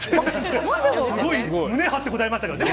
すごい胸張って答えましたけどね。